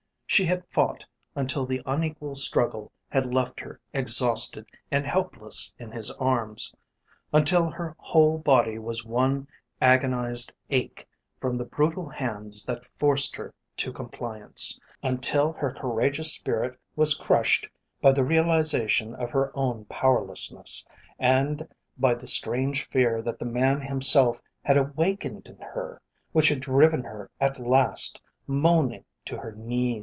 She had fought until the unequal struggle had left her exhausted and helpless in his arms, until her whole body was one agonised ache from the brutal hands that forced her to compliance, until her courageous spirit was crushed by the realisation of her own powerlessness, and by the strange fear that the man himself had awakened in her, which had driven her at last moaning to her knees.